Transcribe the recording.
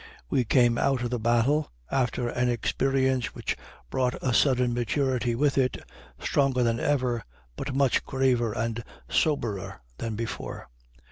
We came out of the battle, after an experience which brought a sudden maturity with it, stronger than ever, but much graver and soberer than before.